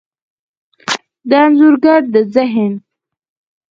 د انځورګر د ذهن،